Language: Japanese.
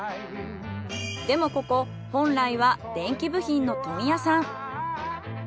でもここ本来は電気部品の問屋さん。